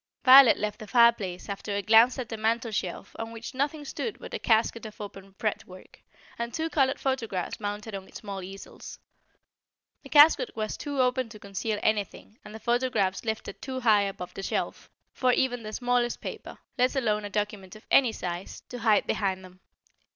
Violet left the fire place after a glance at the mantel shelf on which nothing stood but a casket of open fretwork, and two coloured photographs mounted on small easels. The casket was too open to conceal anything and the photographs lifted too high above the shelf for even the smallest paper, let alone a document of any size, to hide behind them.